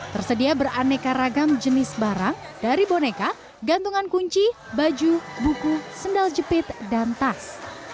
tersedia beraneka ragam jenis barang dari boneka gantungan kunci baju buku sendal jepit dan tas